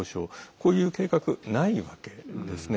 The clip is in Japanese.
こういう計画ないわけですね。